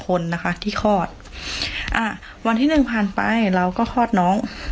คนนะคะที่คลอดอ่าวันที่หนึ่งผ่านไปเราก็คลอดน้อง